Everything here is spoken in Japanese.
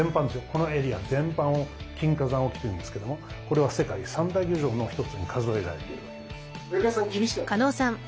このエリア全般を金華山沖というんですけどもこれは世界３大漁場の一つに数えられているわけです。